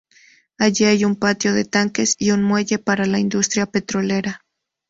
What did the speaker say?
Allí hay un patio de tanques y un muelle para la industria petrolera.